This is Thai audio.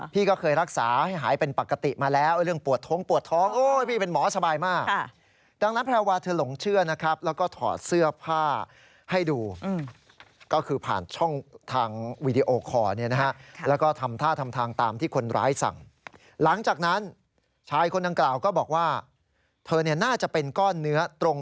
นี่แหละครับคือผู้เสียหายโหลงเชื้อ